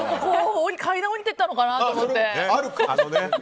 階段を下りていったのかなと思って。